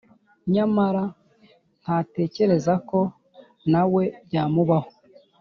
nyamara ntatekereze ko na we byamubaho